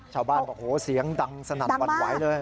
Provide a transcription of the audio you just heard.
ชาวบ้านบอกโหเสียงดังสนั่นหวั่นไหวเลย